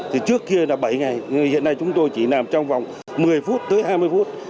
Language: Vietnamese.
thì trước kia là bảy ngày hiện nay chúng tôi chỉ nằm trong vòng một mươi phút tới hai mươi phút